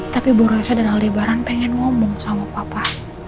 tapi bu rosa dan aldebaran pengen ngomong sama papa